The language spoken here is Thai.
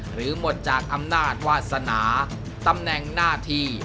หรือหมดจากอำนาจวาสนาตำแหน่งหน้าที่